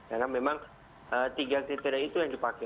karena memang tiga kriteria itu yang dipakai